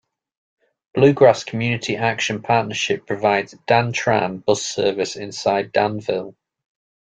Blue Grass Community Action Partnership provides DanTran bus service inside Danville.